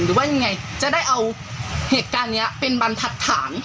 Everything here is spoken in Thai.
หรือว่ายังไงจะได้เอาเหตุการณ์นี้เป็นบรรทัดฐาน